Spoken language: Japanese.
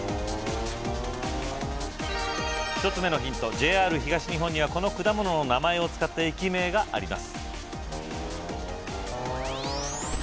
ＪＲ東日本にはこの果物の名前を使った駅名があります